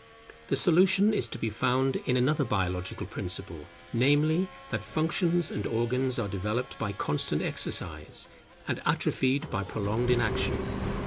The solution is to be found in another biological principle, namely, that functions and organs are developed by constant exercise, and atrophied by prolonged inaction.